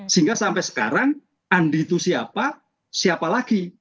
sehingga sampai sekarang andi itu siapa siapa lagi